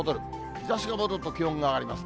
日ざしが戻ると気温が上がります。